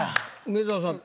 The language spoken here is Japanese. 梅沢さん